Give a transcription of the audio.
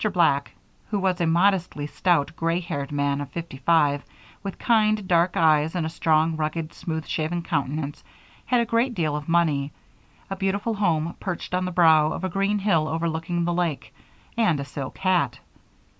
Black, who was a moderately stout, gray haired man of fifty five, with kind, dark eyes and a strong, rugged, smooth shaven countenance, had a great deal of money, a beautiful home perched on the brow of a green hill overlooking the lake, and a silk hat.